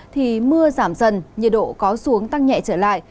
thì mưa giảm dần nhiệt độ có xuống tăng nhẹ trở lại